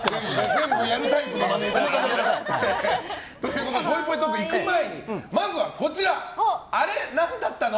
全部やるタイプのマネジャーさんね。ということでぽいぽいトークに行く前にまずは、アレ何だったの！？